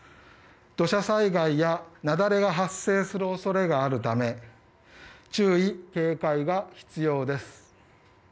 土砂災害や雪崩が発生する恐れがあるため注意、警戒が必要です。